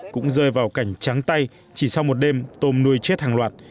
cũng rơi vào cảnh trắng tay chỉ sau một đêm tôm nuôi chết hàng loạt